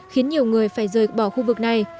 khiến nhiều người phải rời bỏ khu vực này